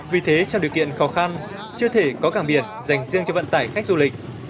vì thế trong điều kiện khó khăn chưa thể có cảng biển dành riêng cho vận tải khách du lịch